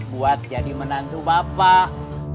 buat jadi menantu bapak